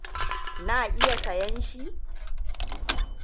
Na iya sayen shi?